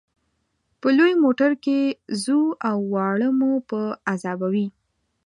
په لوی موټر کې ځو او واړه مو په عذابوي.